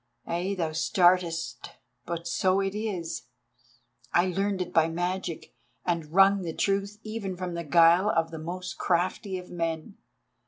Ay, thou startest, but so it is. I learned it by my magic, and wrung the truth even from the guile of the most crafty of men.